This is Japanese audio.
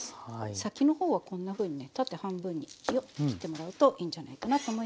先の方はこんなふうにね縦半分によっ切ってもらうといいんじゃないかなと思います。